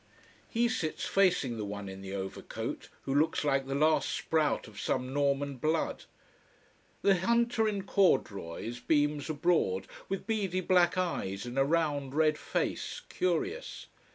He sits facing the one in the overcoat, who looks like the last sprout of some Norman blood. The hunter in corduroys beams abroad, with beady black eyes in a round red face, curious.